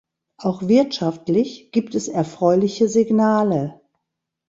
Auch wirtschaftlich gibt es erfreuliche Signale.